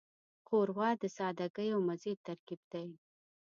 ښوروا د سادګۍ او مزې ترکیب دی.